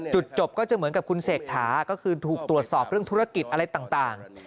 จบก็จะเหมือนกับคุณเศรษฐาก็คือถูกตรวจสอบเรื่องธุรกิจอะไรต่าง